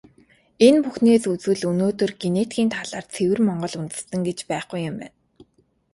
Энэ бүхнээс үзвэл, өнөөдөр генетикийн талаас ЦЭВЭР МОНГОЛ ҮНДЭСТЭН гэж байхгүй юм байна.